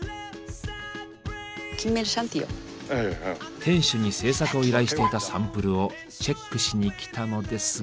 店主に制作を依頼していたサンプルをチェックしにきたのですが。